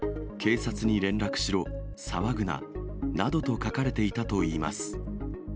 警察に連絡しろ騒ぐななどと書かれていたといいます。